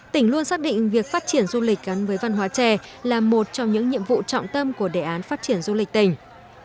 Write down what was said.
tỉnh luôn xác định việc phát triển du lịch gắn với văn hóa trè là một trong những nhiệm vụ trọng tâm của đề án phát triển du lịch tỉnh